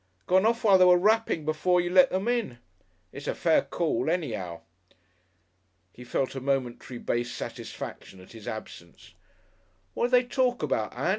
Gone off while they was rapping before you let 'em in. It's a fair call, any'ow." He felt a momentary base satisfaction at his absence. "What did they talk about, Ann?"